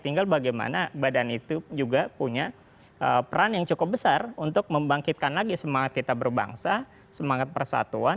tinggal bagaimana badan itu juga punya peran yang cukup besar untuk membangkitkan lagi semangat kita berbangsa semangat persatuan